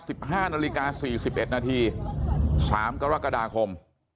สิบห้านาฬิกาสี่สิบเอ็ดนาทีสามกรกฎาคม